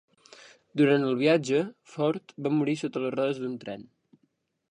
Durant el viatge, Ford va morir sota les rodes d'un tren.